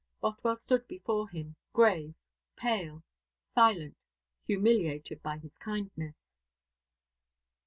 Bothwell stood before him, grave, pale, silent, humiliated by his kindness.